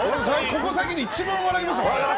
ここ最近で一番笑いましたもんね。